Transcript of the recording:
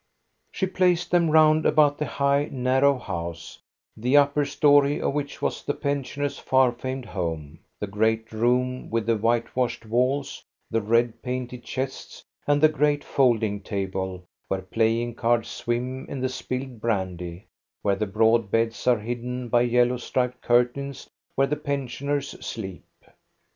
She placed them round about the high, narrow house, the upper stofy of which was the pensioners' far famed home, — the great room with the white washed walls, the red painted chests, and the great folding table, where playing cards swim in the spilled brandy, where the broad beds are hidden by yellow striped curtains where the pensioners sleep.